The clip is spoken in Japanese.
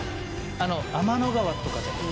あの天の川とかじゃない？